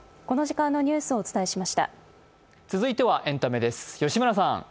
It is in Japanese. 続いてはエンタメです。